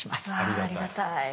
わありがたい。